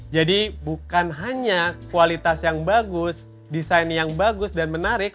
jadi bukan hanya kualitas yang bagus desain yang bagus dan menarik